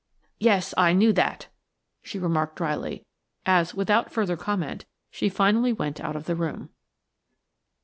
"Yes! I knew that," she remarked dryly, as, without further comment, she finally went out of the room.